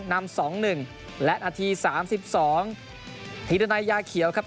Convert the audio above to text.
นามสองหนึ่งและอาทีสามสิบสองหิตนายยาเขียวครับ